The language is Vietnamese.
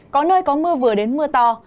có nơi có mưa vừa đến mưa to